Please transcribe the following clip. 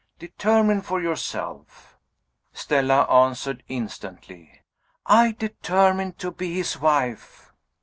Determine for yourself." Stella answered instantly. "I determine to be his wife!"